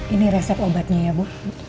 ini resep obatnya ya bu